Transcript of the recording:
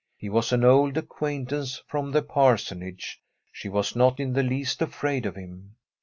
He was an old acquaintance from the parsonage ; she was not in the least afraid of him.